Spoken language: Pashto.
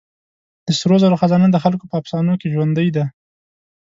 د سرو زرو خزانه د خلکو په افسانو کې ژوندۍ ده.